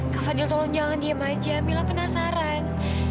kak fadil tolong jangan diem aja mila penasaran